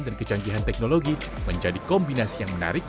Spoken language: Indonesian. dan kecanggihan teknologi menjadi kombinasi yang menarik